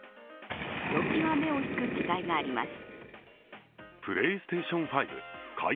ひときわ目を引く記載があります。